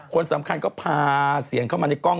คนสำคัญก็พาเสียงเข้ามาในกล้อง